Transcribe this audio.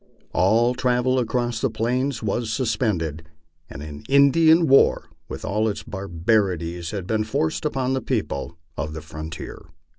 All travel across the Plains was suspended, and an Indian war with all its barbarities had been forced upon the people of the frontier.